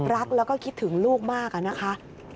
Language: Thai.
รักแล้วก็คิดถึงลูกมากอะนะคะ